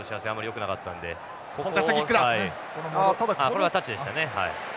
これはタッチでしたね。